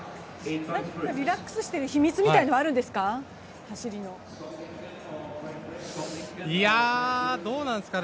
リラックスしている秘密みたいなものはあるんですか？